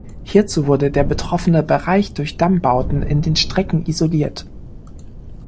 Hierzu wird der betroffene Bereich durch Dammbauten in den Strecken isoliert.